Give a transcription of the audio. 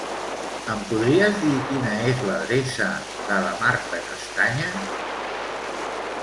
Em podries dir quina és l'adreça de la Marta Castanya?